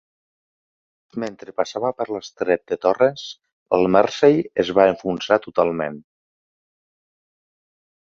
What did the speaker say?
Mentre passava per l'estret de Torres, el "Mersey" es va enfonsar totalment.